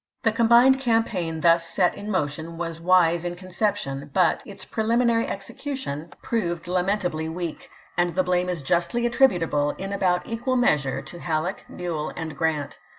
The combined campaign thus set in motion was . wise in conception, but its preliminary execution 318 ABRAHAM LINCOLN cu. XVIII. proved lamentably weak ; and the blame is justly attributable, in about equal measure, to Halleck, Buell, and Grant.